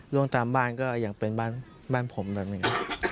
ร่วมตามบ้านก็อย่างเป็นบ้านผมแบบนี้